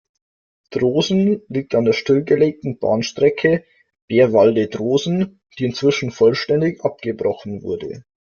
Drosen liegt an der stillgelegten Bahnstrecke Beerwalde–Drosen, die inzwischen vollständig abgebrochen wurde.